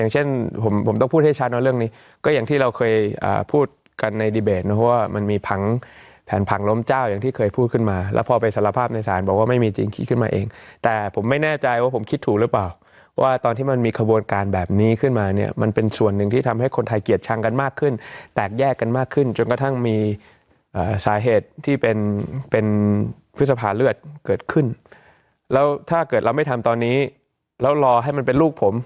จะมีแผ่นผังล้มเจ้าอย่างที่เคยพูดขึ้นมาแล้วพอไปสารภาพในสารบอกว่าไม่มีจริงคิดขึ้นมาเองแต่ผมไม่แน่ใจว่าผมคิดถูกหรือเปล่าว่าตอนที่มันมีขบวนการแบบนี้ขึ้นมาเนี่ยมันเป็นส่วนหนึ่งที่ทำให้คนไทยเกียจชังกันมากขึ้นแตกแยกกันมากขึ้นจนกระทั่งมีสาเหตุที่เป็นพฤษภาเลือดเกิดข